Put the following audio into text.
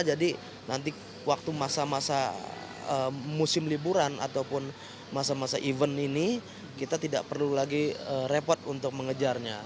jadi nanti waktu masa masa musim liburan ataupun masa masa event ini kita tidak perlu lagi repot untuk mengejarnya